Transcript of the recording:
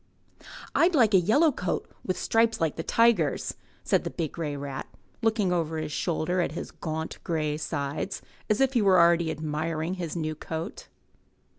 ''I'd like a yellow coat with stripes like the tiger's," said the big grey rat, looking over his shoulder at his gaunt grey sides, as if he were already admiring his new coat.